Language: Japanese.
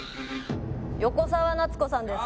横澤夏子さんです。